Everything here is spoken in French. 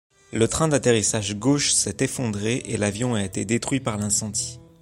Le train d'atterrissage gauche s'est effondré et l'avion a été détruit par l'incendie.